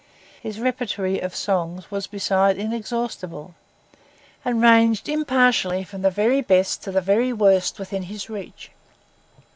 His repertory of songs was, besides, inexhaustible, and ranged impartially from the very best to the very worst within his reach.